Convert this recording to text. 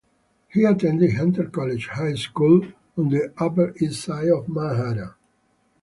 He attended Hunter College High School on the Upper East Side of Manhattan.